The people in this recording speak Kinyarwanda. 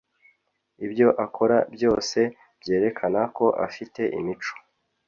Ibyo akora byose byerekana ko afite imico